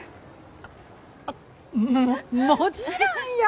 あっもちろんよ！